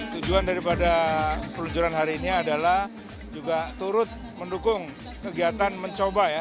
tujuan daripada peluncuran hari ini adalah juga turut mendukung kegiatan mencoba ya